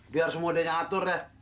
biar semuanya nyatur deh